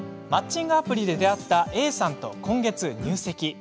マッチングアプリで出会ったＡさんと今月入籍。